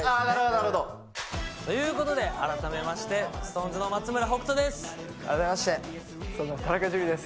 なるほど、ということで、改めまして、ＳｉｘＴＯＮＥＳの松村北斗です。